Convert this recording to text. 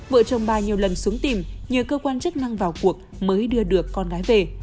vợ chồng bà nhiều lần xuống tìm nhờ cơ quan chức năng vào cuộc mới đưa được con gái về